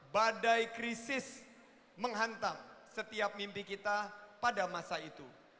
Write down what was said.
badai krisis menghantam setiap mimpi kita pada masa itu